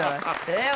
えっ？